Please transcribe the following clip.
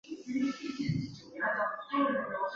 喇叭状的铳口是雷筒与大口径卡宾枪的不同之处。